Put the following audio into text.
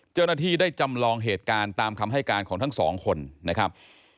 เจ้าหน้าที่ได้จำลองเหตุการณ์ตามคำให้การของทั้งสองคนนะครับ